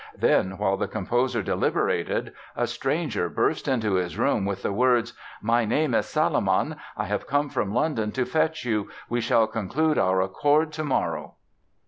Then, while the composer deliberated, a stranger burst into his room with the words: "My name is Salomon. I have come from London to fetch you; we shall conclude our accord tomorrow."